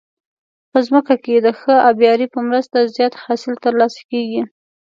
په ځمکه کې د ښه آبيارو په مرسته زیات حاصل ترلاسه کیږي.